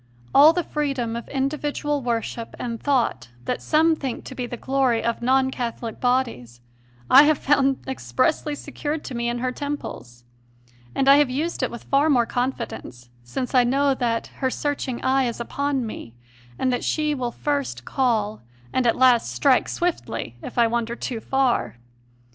All the freedom of individual worship and thought that some think to be the glory of non Catholic bodies I have found expressly secured to me in her temples, and have used it with far more confidence, since I know that her searching eye is upon me and that she will first call and at last strike swiftly if I wander too far.